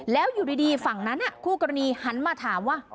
แล้วอยู่ดีฝั่งนั้นคู่กรณีหันมาถามว่า